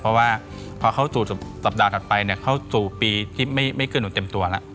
เพราะว่าพอเข้าสู่สัปดาห์ถัดไปเนี่ยเข้าสู่ปีที่ไม่เกื้อหนุนเต็มตัวแล้ว